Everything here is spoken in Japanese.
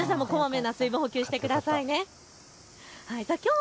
皆さんもこまめな水分補給をしてくださいね。